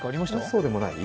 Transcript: そうでもない？